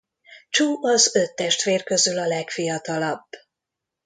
Chu az öt testvér közül a legfiatalabb.